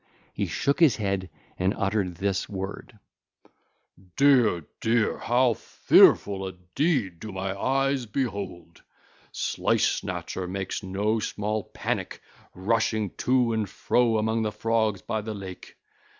He shook his head, and uttered this word: (ll. 272 276) 'Dear, dear, how fearful a deed do my eyes behold! Slice snatcher makes no small panic rushing to and fro among the Frogs by the lake.